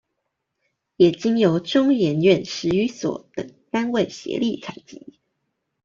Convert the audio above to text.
也經由中研院史語所等單位協力採集